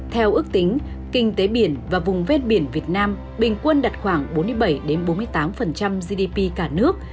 theo ước tính kinh tế biển và vùng ven biển việt nam bình quân đạt khoảng bốn mươi bảy bốn mươi tám gdp cả nước